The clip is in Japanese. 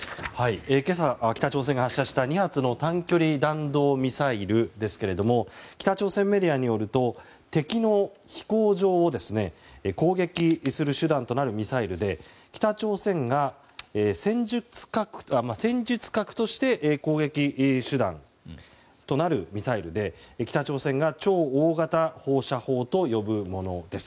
今朝、北朝鮮が発射した２発の短距離弾道ミサイルですが北朝鮮メディアによると敵の飛行場を攻撃する手段となるミサイルで、戦術核として攻撃手段となるミサイルで北朝鮮が超大型放射砲と呼ぶものです。